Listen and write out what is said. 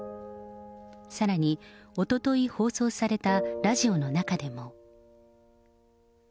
さらに、おととい放送されたラジオの中でも。